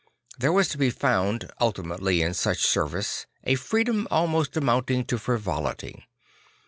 There was to be found ultimately in such service a freedom almost amounting to frivolity.